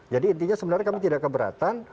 jadi intinya sebenarnya kami tidak keberatan